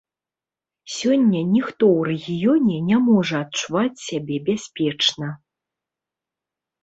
Сёння ніхто ў рэгіёне не можа адчуваць сябе бяспечна.